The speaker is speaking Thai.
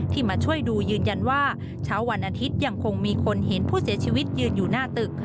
มาช่วยดูยืนยันว่าเช้าวันอาทิตย์ยังคงมีคนเห็นผู้เสียชีวิตยืนอยู่หน้าตึก